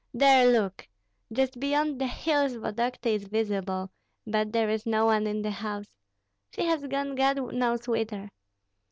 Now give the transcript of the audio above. There, look! Just beyond the hills Vodokty is visible; but there is no one in the house. She has gone God knows whither.